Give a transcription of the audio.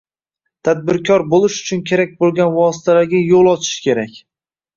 tadbirkor bo‘lish uchun kerak bo‘lgan vositalarga yo‘l ochish kerak.